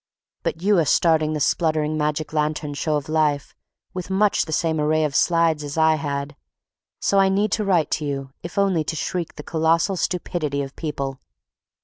But you are starting the spluttering magic lantern show of life with much the same array of slides as I had, so I need to write you if only to shriek the colossal stupidity of people....